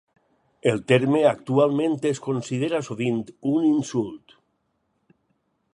El terme actualment es considera sovint un insult.